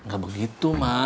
gak begitu ma